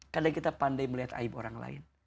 kadang kita pandai melihat aib orang lain